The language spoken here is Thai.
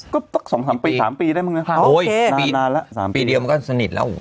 ก็สองสามปีสามปีได้มึงโอ้ยนานแล้วสามปีเดียวมันก็สนิทแล้ว